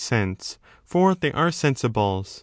sense, for they are sensibles.